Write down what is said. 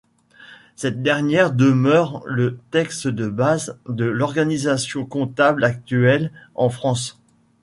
Cette dernière demeure le texte de base de l’organisation comptable actuelle en France.